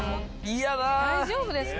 大丈夫ですか？